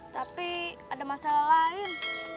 tapi ada masalah lainnya